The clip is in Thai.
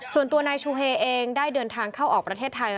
ส่วนตัวนายชูเฮเองได้เดินทางเข้าออกประเทศไทย